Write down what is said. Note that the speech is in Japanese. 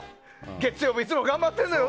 月曜日いつも頑張ってるのよ